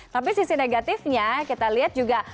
tapi sisi negatifnya kita lihat juga